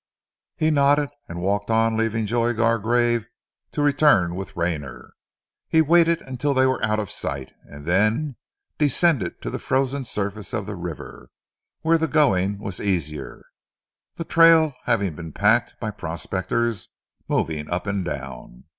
He nodded and walked on leaving Joy Gargrave to return with Rayner. He waited until they were out of sight and then descended to the frozen surface of the river, where the going was easier, the trail having been packed by prospectors moving up and down.